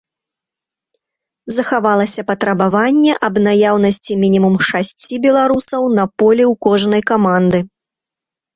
Захавалася патрабаванне аб наяўнасці мінімум шасці беларусаў на полі ў кожнай каманды.